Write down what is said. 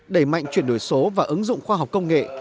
đẩy mạnh chuyển đổi số và ứng dụng khoa học công nghệ